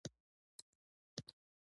ښکاري د نورو څارویو لپاره خطرناک دی.